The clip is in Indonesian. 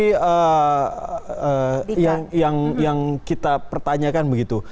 tapi yang kita pertanyakan begitu